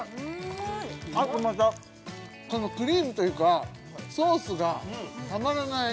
あとまたこのクリームというかソースがたまらない